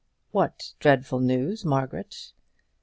"What dreadful news, Margaret?"